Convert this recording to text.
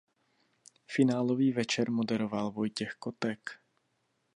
Finálový večer moderoval Vojtěch Kotek.